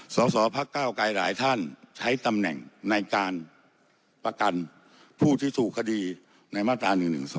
สสพักเก้าไกรหลายท่านใช้ตำแหน่งในการประกันผู้ที่ถูกคดีในมาตรา๑๑๒